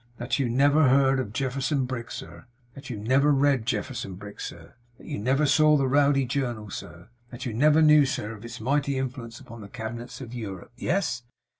'That you never heard of Jefferson Brick, sir. That you never read Jefferson Brick, sir. That you never saw the Rowdy Journal, sir. That you never knew, sir, of its mighty influence upon the cabinets of Europe. Yes?